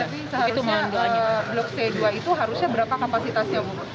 tapi seharusnya blok c dua itu harusnya berapa kapasitasnya